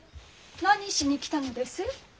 何しに来たのです？